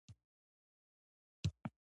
لوستونکي کولای شي له دې معلوماتو ګټه واخلي